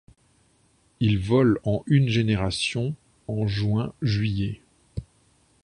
Il vole en une génération, en juin juillet.